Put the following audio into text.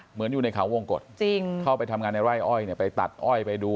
เหมือนอยู่ในเขาวงกฎเข้าไปทำงานในไร่อ้อยเนี่ยไปตัดอ้อยไปดู